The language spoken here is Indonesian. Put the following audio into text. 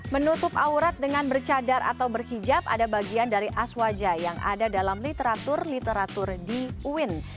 menutup aurat dengan bercadar atau berhijab ada bagian dari aswajah yang ada dalam literatur literatur di uin